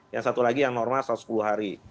yang satu lagi yang normal satu sepuluh hari